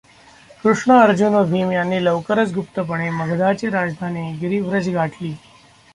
कृष्ण, अर्जुन व भीम यांनी लवकरच गुप्तपणे मगधाची राजधानी गिरिव्रज गाठली.